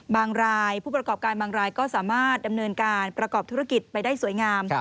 รายผู้ประกอบการบางรายก็สามารถดำเนินการประกอบธุรกิจไปได้สวยงาม